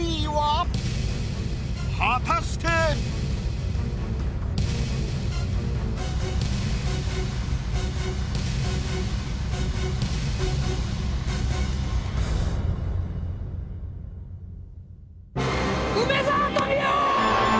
果たして⁉梅沢富美男！